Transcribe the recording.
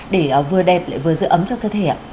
để vừa đẹp lại vừa giữ ấm cho cơ thể ạ